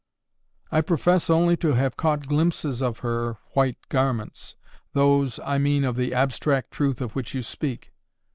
"I profess only to have caught glimpses of her white garments,—those, I mean, of the abstract truth of which you speak.